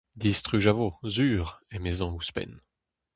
Distruj a vo, sur, emezañ ouzhpenn.